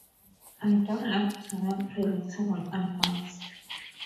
I don't like to make predictable albums.